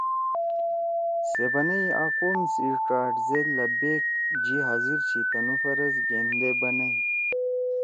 سے بنئی آ قوم سی ڇأڑ زید )لبیک( جی حاضر چھی تنُو فرض گھیندے بنئی